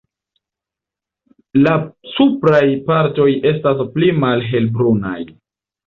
La supraj partoj estas pli malhelbrunaj.